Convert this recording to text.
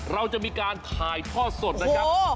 เราจะมีการถ่ายทอดสดนะครับ